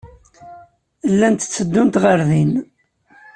Llant tteddunt ɣer din.